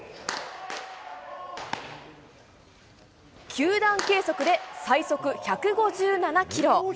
球団計測で最速１５７キロ。